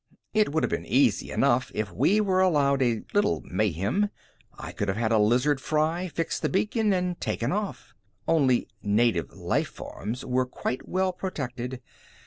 It would have been easy enough if we were allowed a little mayhem. I could have had a lizard fry, fixed the beacon and taken off. Only "native life forms" were quite well protected.